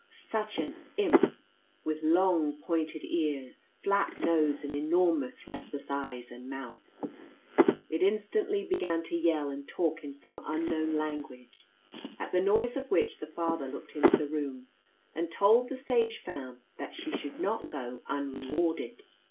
Such an imp! with long pointed ears, flat nose, and enormous restless eyes and mouth. It instantly began to yell and talk in some unknown language, at the noise of which the father looked into the room, and told the sage femme that she should not go unrewarded.